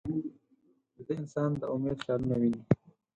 ویده انسان د امید خیالونه ویني